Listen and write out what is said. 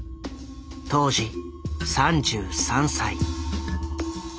当時３３歳。